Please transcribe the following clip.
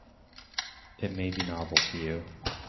It may be novel to you.